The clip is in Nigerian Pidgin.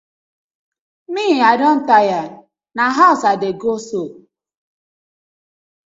Mi ma, I don tire, na hawz I dey go so ooo.